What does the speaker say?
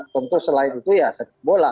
tentu selain itu ya sepak bola